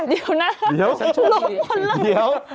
เดี๋ยวนะรวมลงละ